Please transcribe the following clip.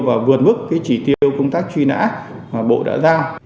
và vượt mức cái chỉ tiêu công tác truy nã mà bộ đã giao